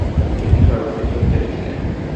তিনি সর্বদাই সোচ্চার ছিলেন।